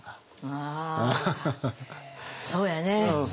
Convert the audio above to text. ああそうやね。